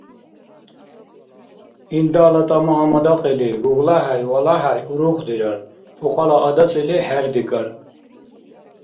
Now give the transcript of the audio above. Илдала тӀама-гьама дакьили ГуглахӀяй ва ЛахӀяй урухдирар, пукьала адацӀили хӀердикӀар.